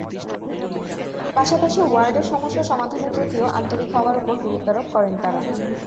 পাশাপাশি ওয়ার্ডের সমস্যা সমাধানের প্রতিও আন্তরিক হওয়ার ওপর গুরুত্বারোপ করেন তাঁরা।